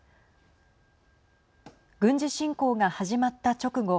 軍事侵攻が始まった直後